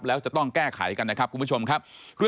แล้วจะต้องแก้ไขกันนะครับคุณผู้ชมครับ